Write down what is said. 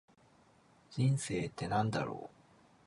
人生って何だろう。